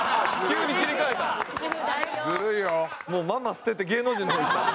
ママ捨てて芸能人の方いった。